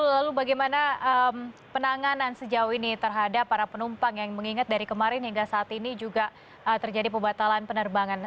lalu bagaimana penanganan sejauh ini terhadap para penumpang yang mengingat dari kemarin hingga saat ini juga terjadi pembatalan penerbangan